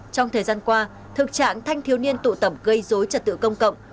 trong thời gian qua thực trạng thanh thiếu niên tụ tẩm gây dối trật tự công cộng